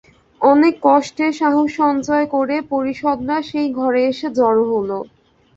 অনেক কষ্টে সাহস সঞ্চয় করে পরিষদরা সেই ঘরে এসে জড়ো হল।